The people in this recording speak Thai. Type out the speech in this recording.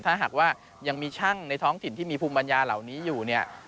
ถ้าหากว่ายังมีช่างในท้องถิ่นที่มีภูมิปัญญาเหล่านี้อยู่เนี่ย